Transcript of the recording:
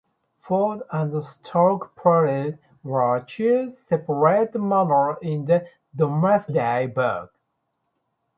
Ford and Stoke Prior were two separate manors in the "Domesday Book".